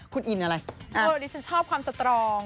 คุณอินอะไรนะครับอย่างนี้ฉันชอบความสตรอง